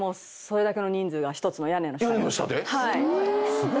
すごい！